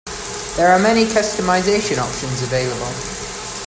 There are many customization options available.